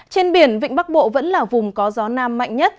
trên biển vịnh bắc bộ vẫn là vùng có gió nam mạnh nhất